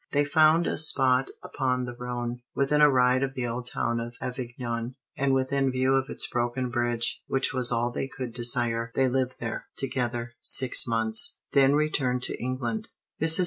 They found a spot upon the Rhône, within a ride of the old town of Avignon, and within view of its broken bridge, which was all they could desire; they lived there, together, six months; then returned to England. Mrs.